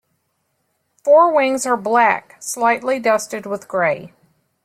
Forewings are black slightly dusted with grey.